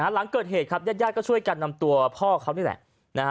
หลังเกิดเหตุครับญาติก็ช่วยกันนำตัวพ่อเขานี่แหละ